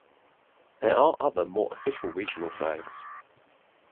There are other more official regional flags.